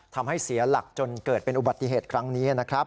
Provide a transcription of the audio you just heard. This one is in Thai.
ทำให้เสียหลักจนเกิดเป็นอุบัติเหตุครั้งนี้นะครับ